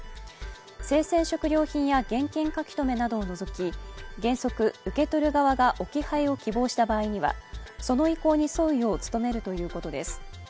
生鮮食料品や現金書留などを除き原則、受け取る側が置き配を希望した場合にはその意向に沿うよう努めるということです。